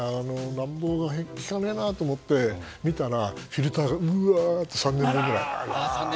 何かきかないなと思ってみたらフィルターがうわーって３年分くらい。